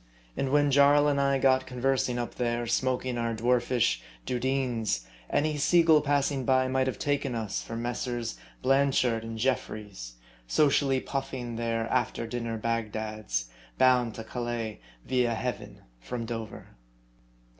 And when Jarl and I got conversing up there, smoking our dwarfish " dudeens," any *sea gull passing by might have taken us for Messrs. Blanchard and Jeffries, socially puffing their after dinner Bagdads, bound to Calais, via Heaven, from Dover.